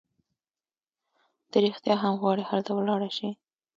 ته رېښتیا هم غواړي هلته ولاړه شې؟